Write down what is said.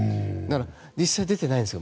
実際出ていないんですよ。